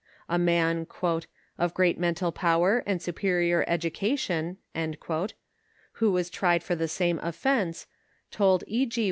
A man " of great mental power and su perior education," who was tried for the same offense, told E. G.